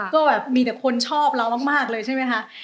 ก็แบบมีแต่คนชอบเรามากเลยใช่ไหมคะ